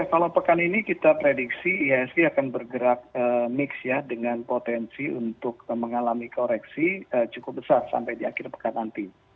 kalau pekan ini kita prediksi ihsg akan bergerak mix ya dengan potensi untuk mengalami koreksi cukup besar sampai di akhir pekan nanti